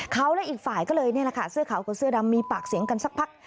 เขาและอีกฝ่ายก็เลยนี่แหละค่ะเสื้อขาวกับเสื้อดำมีปากเสียงกันสักพัก